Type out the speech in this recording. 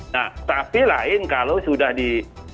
nah tapi lain kalau sudah di